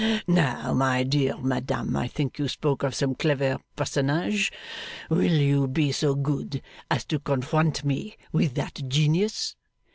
Now, my dear madam, I think you spoke of some clever personage. Will you be so good as to confront me with that genius?